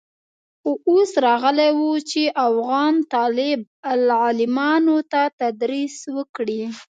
خو اوس راغلى و چې افغان طالب العلمانو ته تدريس وکړي.